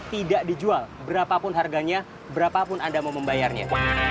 tidak dijual berapapun harganya berapapun anda mau membayarnya